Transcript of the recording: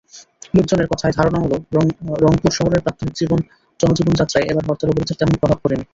লোকজনের কথায় ধারণা হলো, রংপুর শহরের প্রাত্যহিক জনজীবনযাত্রায় এবার হরতাল-অবরোধের তেমন প্রভাব পড়েনি।